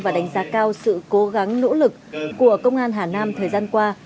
và đánh giá cao sự cố gắng nỗ lực của công an hà nam thời gian qua